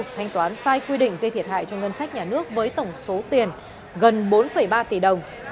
thanh toán sai quy định gây thiệt hại cho ngân sách nhà nước với tổng số tiền gần bốn ba tỷ đồng